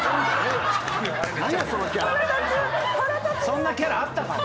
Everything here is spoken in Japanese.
そんなキャラあったか？